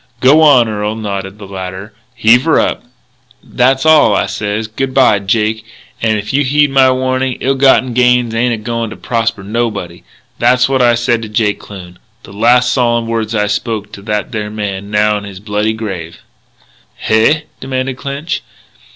"G'wan, Earl," nodded the latter, "heave her up." "That's all. I sez, 'Good bye, Jake. An' if you heed my warnin', ill gotten gains ain't a going to prosper nobody.' That's what I said to Jake Kloon, the last solemn words I spoke to that there man now in his bloody grave " "Hey?" demanded Clinch.